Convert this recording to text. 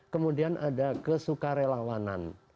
kemudian ada kesukarelawanan